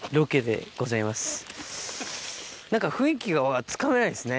何か雰囲気がつかめないですね。